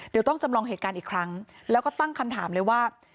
เดี๋ยวต้องจำลองเหตุการณ์อีกครั้งแล้วก็ตั้งคำถามเลยว่า